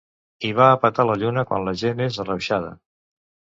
Hi va a petar la lluna quan la gent és arrauxada.